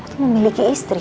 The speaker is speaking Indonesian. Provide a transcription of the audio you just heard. kamu tuh memiliki istri